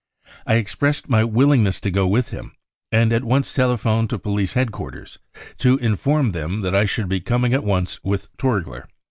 I expressed my willingness to go with him, and at once telephoned to police head quarters to inform them that I should be coming at once with Torgier.